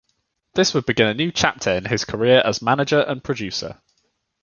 This would begin a new chapter in his career as manager and producer.